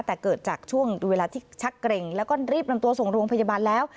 แต่เกิดจากช่วงเวลาที่ชักเกร็งแล้วก็รีบนำตัวส่งโรงพยาบาลแล้ว